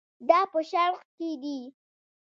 دا په شرق کې دي.